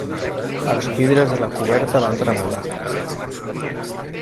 Els vidres de la coberta van tremolar